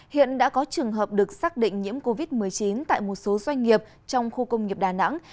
hiện đã có trường hợp được xác định nhiễm covid một mươi chín tại một số doanh nghiệp trong khu công nghiệp đà nẵng